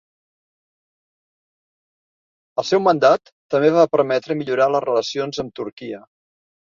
El seu mandat també va permetre millorar les relacions amb Turquia.